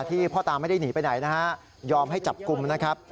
ที่พ่อตาไม่ได้หนีไปไหนยอมให้จับกุมนะครับ